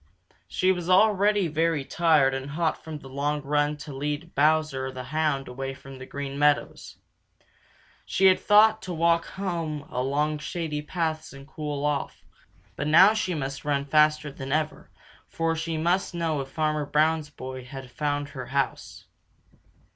She was already very tired and hot from the long run to lead Bowser the Hound away from the Green Meadows. She had thought to walk home along shady paths and cool off, but now she must run faster than ever, for she must know if Farmer Brown's boy had found her house.